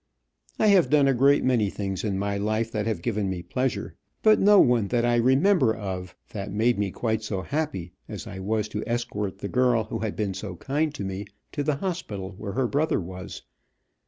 I have done a great many things in my life that have given me pleasure, but no one that I remember of that made me quite so happy as I was to escort the girl who had been so kind to me, to the hospital where her brother was.